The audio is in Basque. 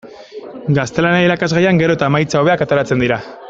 Gaztelania irakasgaian gero eta emaitza hobeak ateratzen dira.